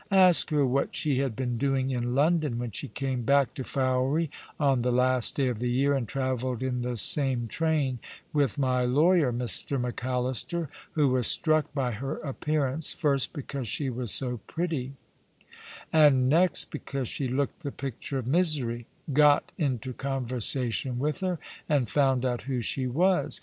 Ask her what she had been doing in London when she came back to Fowey on the last day of the year, and travelled in the same train with my lawyer, Mr. MacAllister, who was struck by her appearance, first because she was so pretty, and next because she looked the picture of misery — got into conversa tion with her, and found out who she was.